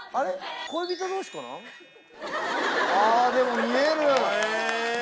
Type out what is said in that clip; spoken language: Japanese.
あでも見える！